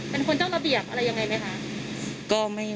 เป็นคนเจ้าระเบียบอะไรยังไงไหมคะ